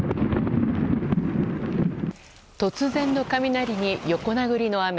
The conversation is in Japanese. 突然の雷に横殴りの雨。